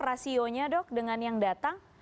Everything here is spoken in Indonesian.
rasionya dok dengan yang datang